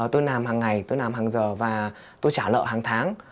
tôi làm hàng ngày tôi làm hàng giờ và tôi trả lợi hàng tháng